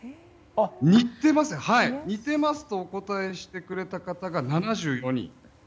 似てますとお答えしてくれた方が７４人。